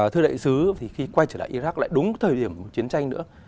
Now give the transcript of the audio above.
thưa đại sứ thì khi quay trở lại iraq lại đúng thời điểm chiến tranh nữa